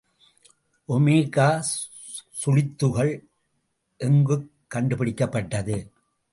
Omega சுழித்துகள் எங்குக் கண்டுபிடிக்கப்பட்டது.